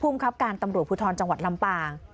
บังคับการตำรวจภูทรจังหวัดลำปาง